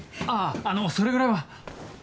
あぁあのそれぐらいは。